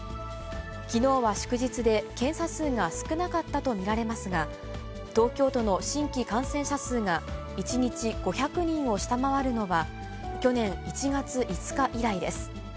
きのうは祝日で検査数が少なかったと見られますが、東京都の新規感染者数が１日５００人を下回るのは、去年１月５日以来です。